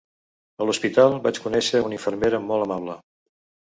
A l'hospital, vaig conèixer una infermera molt amable.